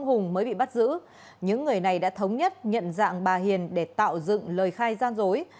hùng mới bị bắt giữ những người này đã thống nhất nhận dạng bà hiền để tạo dựng lời khai gian dối